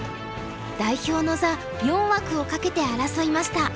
代表の座４枠を懸けて争いました。